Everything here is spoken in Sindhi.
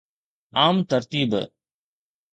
عام ترتيب